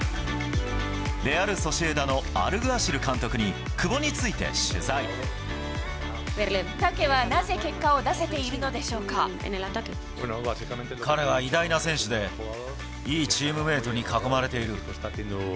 レアル・ソシエダのアルグアシル監督に、タケはなぜ結果を出せている彼は偉大な選手で、いいチームメートに囲まれている。